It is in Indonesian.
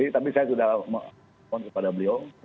tapi saya sudah mohon kepada beliau